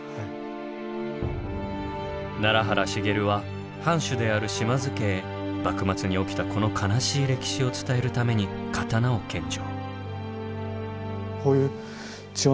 奈良原繁は藩主である島津家へ幕末に起きたこの悲しい歴史を伝えるために刀を献上。